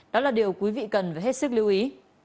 đó là điều quý vị cần phải hết sức lưu ý